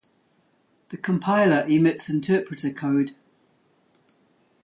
The compiler emits interpreter code.